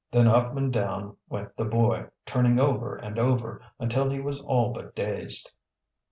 Then up and down went the boy, turning over and over, until he was all but dazed.